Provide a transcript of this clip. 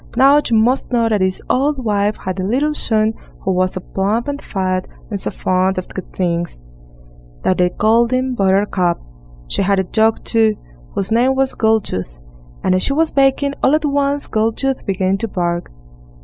Now, you must know that this old wife had a little son, who was so plump and fat, and so fond of good things, that they called him Buttercup; she had a dog, too, whose name was Goldtooth, and as she was baking, all at once Goldtooth began to bark.